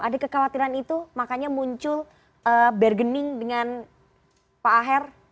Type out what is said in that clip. ada kekhawatiran itu makanya muncul bargaining dengan pak aher